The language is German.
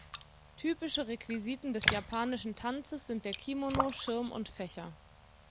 Typische Requisiten des japanischen Tanzes sind der Kimono, Schirm und Fächer.